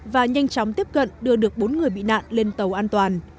và nhanh chóng tiếp cận đưa được bốn người bị nạn lên tàu an toàn